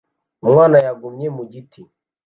Umwana yagumye mu giti